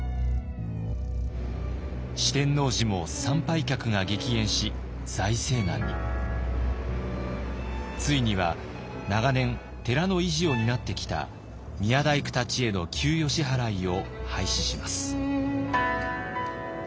四天王寺もついには長年寺の維持を担ってきた宮大工たちへの給与支払いを廃止します。